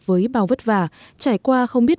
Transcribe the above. với bao vất vả trải qua không biết